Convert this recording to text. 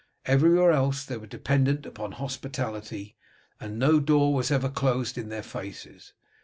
Everywhere else these were dependent upon hospitality, and no door was ever closed in their faces.